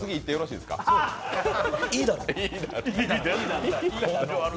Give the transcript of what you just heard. いいだろう。